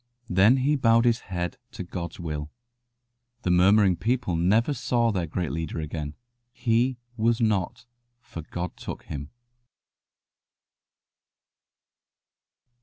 Then he bowed his head to God's will. The murmuring people never saw their great leader again. He "was not, for God took him."